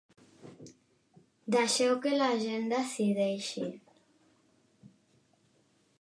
Deixeu que la gent decideixi.